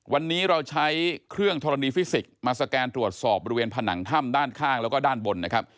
วันนี้เราใช้เครื่องธรณีฟิสิกส์มาสแกนตรวจสอบบริเวณผนังถ้ำด้านข้างแล้วก็ด้านบนนะครับ